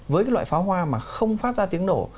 với cái loại pháo hoa mà không phát ra tiếng nổ